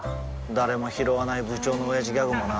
誰もひろわない部長のオヤジギャグもな